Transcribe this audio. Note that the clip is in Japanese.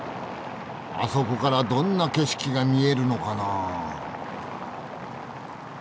あそこからどんな景色が見えるのかなあ？